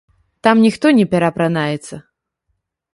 Там ніхто не пераапранаецца.